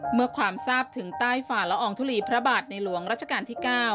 เมื่อความทราบถึงใต้ฝ่าละอองทุลีพระบาทในหลวงรัชกาลที่๙